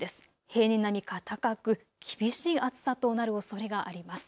平年並みか高く厳しい暑さとなるおそれがあります。